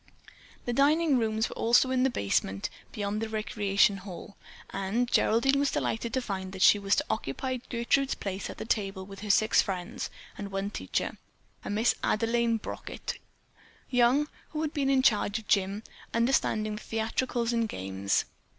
The dining rooms were also in the basement, beyond the recreation hall, and Geraldine was delighted to find that she was to occupy Gertrude's place at a table with her six friends and one teacher, a Miss Adelaine Brockett, young, who had charge of the gym, understanding theatricals and games.